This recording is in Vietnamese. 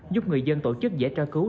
giúp người dân tổ chức dễ tra cứu